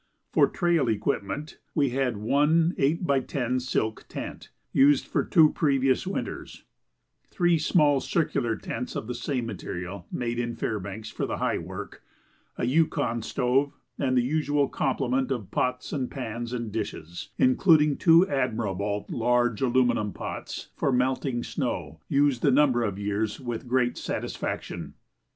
For trail equipment we had one eight by ten "silk" tent, used for two previous winters; three small circular tents of the same material, made in Fairbanks, for the high work; a Yukon stove and the usual complement of pots and pans and dishes, including two admirable large aluminum pots for melting snow, used a number of years with great satisfaction.